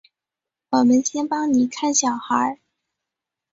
我们先帮妳看小孩